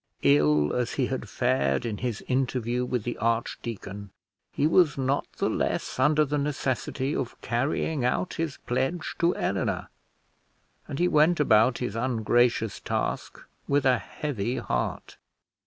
Ill as he had fared in his interview with the archdeacon, he was not the less under the necessity of carrying out his pledge to Eleanor; and he went about his ungracious task with a heavy heart.